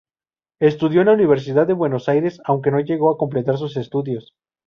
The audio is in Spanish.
Estudió en la Universidad de Buenos Aires, aunque no llegó a completar sus estudios.